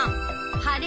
晴れ。